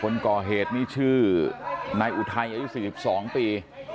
คนก่อเหตุนี่ชื่อนายอุทัยอายุ๔๒ปี